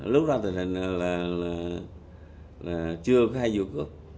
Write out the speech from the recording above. lúc đó tình hình là chưa có hai vua cướp